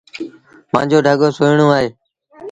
مآݩجو ڍڳو سُهيٚڻون اهي۔